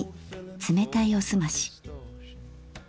冷たいおすまし。